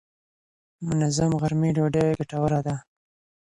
منظم غرمې ډوډۍ ګټوره ده.